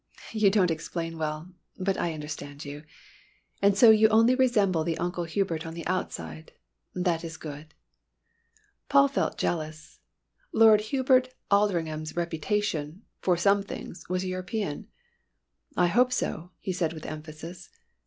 "You do not explain well, but I understand you. And so you only resemble the Uncle Hubert on the outside that is good." Paul felt jealous. Lord Hubert Aldringham's reputation for some things was European. "I hope so," he said with emphasis.